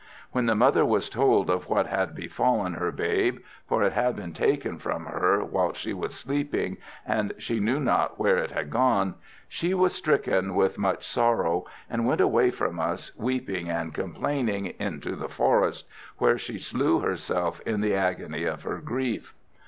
"When the mother was told of what had befallen her babe for it had been taken from her whilst she was sleeping, and she knew not where it had gone she was stricken with much sorrow, and went away from us, weeping and complaining, into the forest, where she slew herself in the agony of her grief.